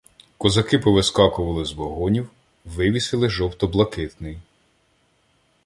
Козаки повискакували з вагонів, вивісили жовто-блакитний.